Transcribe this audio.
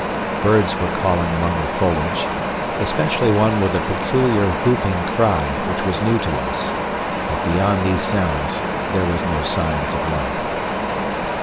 Birds were calling among the foliage especially one with a peculiar whooping cry which was new to us but beyond these sounds there were no signs of life.